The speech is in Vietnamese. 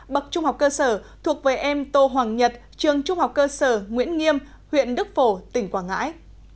bậc trung học cơ sở thuộc về em tô hoàng nhật trường trung học cơ sở nguyễn nghiêm huyện đức phổ tỉnh quảng ngãi